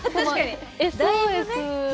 ＳＯＳの。